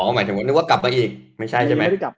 อ๋อหมายถึงว่ากลับมาอีกไม่ใช่ใช่ไหม